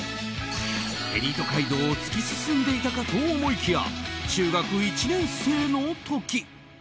エリート街道を突き進んでいたかと思いきや中学１年生の時。